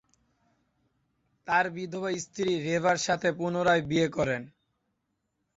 তার বিধবা স্ত্রী রেভার সাথে পুনরায় বিয়ে করেন।